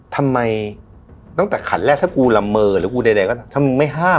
ทำไมตั้งแต่ขันแรกถ้ากูละเมอหรือกูใดก็ถ้ามึงไม่ห้าม